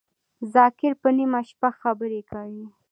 ذاکر په نیمه شپه خبری کوی